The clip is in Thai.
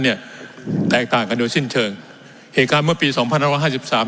เนี้ยแตกต่างกันโดยสิ้นเชิงเหตุการณ์เมื่อปีสองพันห้าร้อยห้าสิบสาม